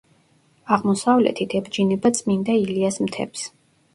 აღმოსავლეთით ებჯინება წმინდა ილიას მთებს.